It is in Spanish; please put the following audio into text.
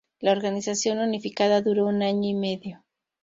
La organización unificada duró un año y medio.